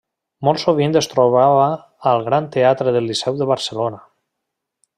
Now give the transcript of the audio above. Molt sovint es trobava al Gran Teatre del Liceu de Barcelona.